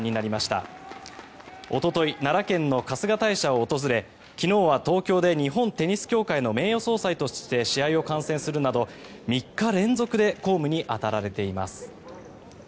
奈良県の春日大社を訪れ昨日は東京で日本テニス協会の名誉総裁として試合を観戦するなど３日連続で公務に当たられています。